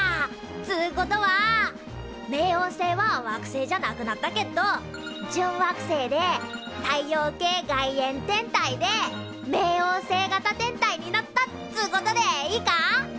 つことは冥王星は惑星じゃなくなったけっど準惑星で太陽系外縁天体で冥王星型天体になったっつことでいいか？